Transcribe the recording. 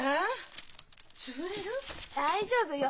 大丈夫よ。